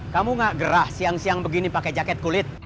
kamu gak gerah siang siang begini pakai jaket kulit